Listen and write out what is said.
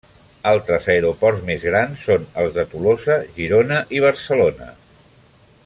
Altres aeroports més grans són els de Tolosa, Girona i Barcelona.